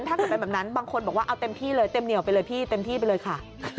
ถ้าเกิดเป็นแบบนั้นบางคนบอกว่าเอาเต็มที่เลยเต็มเหนียวไปเลยพี่เต็มที่ไปเลยค่ะ